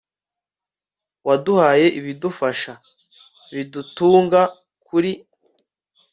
waduhaye ibidufasha, bidutunga kuri